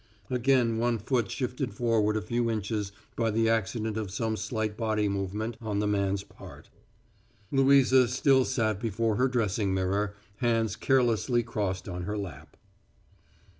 Again one foot shifted forward a few inches by the accident of some slight body movement on the man's part. Louisa still sat before her dressing mirror, hands carelessly crossed on her lap.